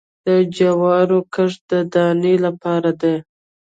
د جوارو کښت د دانې لپاره دی